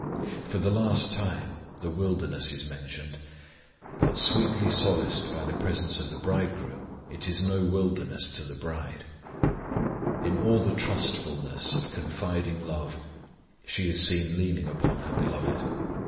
For the last time the wilderness is mentioned; but sweetly solaced by the presence of the Bridegroom, it is no wilderness to the bride. In all the trustfulness of confiding love she is seen leaning upon her Beloved.